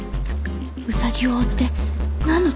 ウサギを追って何の得になる？